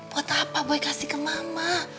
buat apa boleh kasih ke mama